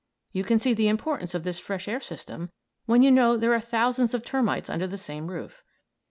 You can see the importance of this fresh air system when you know there are thousands of termites under the same roof.